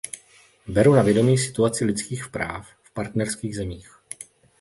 Beru na vědomí situaci lidských práv v partnerských zemích.